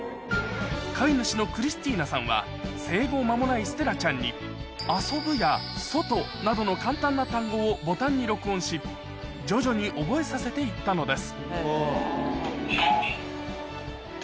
飼い主のクリスティーナさんは生後間もないステラちゃんに「遊ぶ」や「外」などの簡単な単語をボタンに録音し徐々に覚えさせて行ったのです